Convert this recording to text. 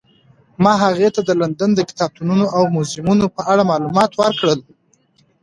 ما هغې ته د لندن د کتابتونونو او موزیمونو په اړه معلومات ورکړل.